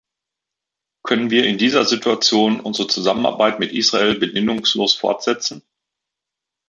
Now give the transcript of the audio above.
Können wir in dieser Situation unsere Zusammenarbeit mit Israel bedingungslos fortsetzen?